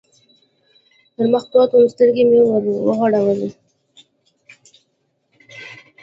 پر مخ پروت ووم، سترګې مې و غړولې.